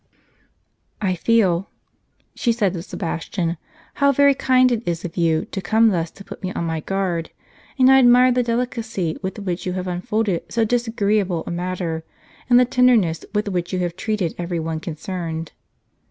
"I feel," she said at last to Sebastian, "how very kind it is of you, to come thus to put me on my guard ; and I admire the delicacy with which you have unfolded so disagreeable a matter, and the tenderness with which you have treated every one concerned."